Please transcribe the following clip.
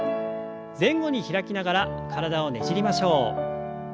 前後に開きながら体をねじりましょう。